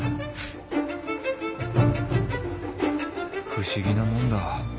不思議なもんだ